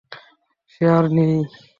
সে আর নেই।